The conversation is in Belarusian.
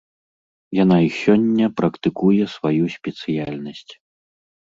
Яна і сёння практыкуе сваю спецыяльнасць.